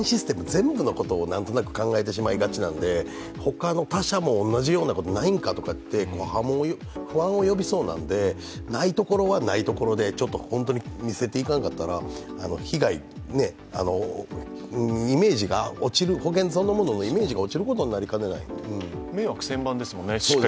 全部のことを何となく考えてしまいがちなので他の他社も同じようなことないんかって不安も呼びそうなんでないところはないところで、本当に見せていかなかったら保険そのもののイメージが落ちることにもなる迷惑千万ですもんね。